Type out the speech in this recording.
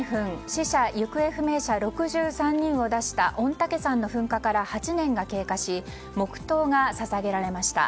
死者・行方不明者６３人を出した御嶽山の噴火から８年が経過し黙祷が捧げられました。